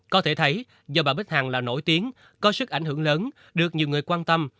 có thể thấy do bà bích hằng là nổi tiếng có sức ảnh hưởng lớn được nhiều người quan tâm